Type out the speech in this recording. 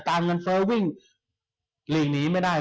เงินเฟ้อวิ่งหลีกหนีไม่ได้